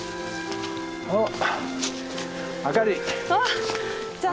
あっ！